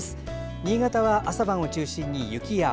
新潟は朝晩を中心に雪や雨。